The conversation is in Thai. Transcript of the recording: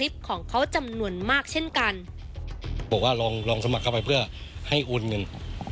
บอกว่าลองสมรรคเข้าไปเพื่อให้รวมเงิน